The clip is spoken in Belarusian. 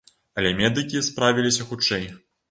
Але медыкі справіліся хутчэй.